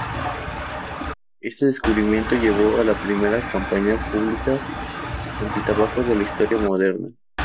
Este descubrimiento llevó a la primera campaña pública antitabaco de la historia moderna.